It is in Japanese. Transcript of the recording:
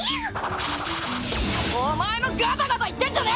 お前もガタガタ言ってんじゃねぇ！